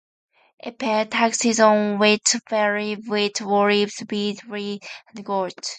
It paid taxes on wheat barley, wheat, olives, beehives, and goats.